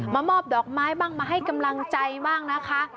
มอบดอกไม้บ้างมาให้กำลังใจบ้างนะคะ